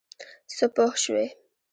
څه پوه شوې.